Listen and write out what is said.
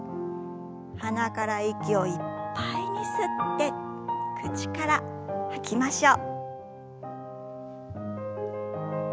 鼻から息をいっぱいに吸って口から吐きましょう。